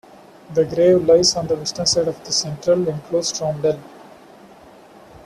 The grave lies on the western side of the central enclosed roundel.